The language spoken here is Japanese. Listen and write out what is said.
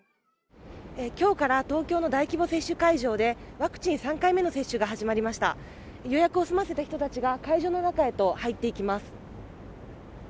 今日から東京の大規模接種会場でワクチン３回目の接種が始まりました予約を済ませた人たちが会場の中へと入っていきます。